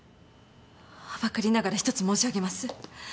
はばかりながら一つ申し上げます。